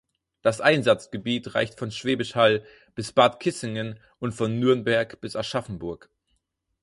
Das Einsatzgebiet reicht von Schwäbisch Hall bis Bad Kissingen und von Nürnberg bis Aschaffenburg.